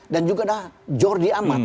dan juga ada jordi amat